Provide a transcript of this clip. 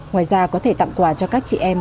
ngoài ra có thể tặng quà cho các chị em